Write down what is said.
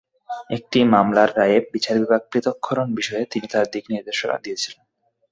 একটি মামলার রায়ে বিচার বিভাগ পৃথক্করণ বিষয়ে তিনি তাঁর দিকনির্দেশনা দিয়েছিলেন।